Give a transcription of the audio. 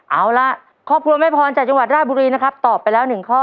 เอาล่ะครอบครัวแม่พรจากจังหวัดราชบุรีนะครับตอบไปแล้ว๑ข้อ